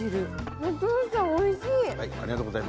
お父さん美味しい！